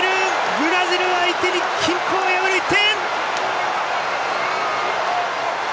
ブラジル相手に均衡を破る１点！